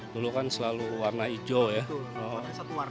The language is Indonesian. dulu kan selalu warna hijau ya